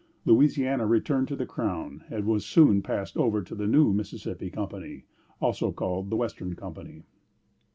Louisiana returned to the Crown, and was soon passed over to the new Mississippi Company, called also the Western Company.